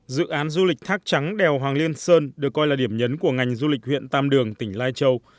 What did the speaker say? dự án du lịch thác trắng đèo hoàng liên sơn được coi là điểm nhấn của ngành du lịch huyện tam đường tỉnh lai châu